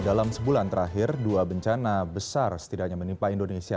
dalam sebulan terakhir dua bencana besar setidaknya menimpa indonesia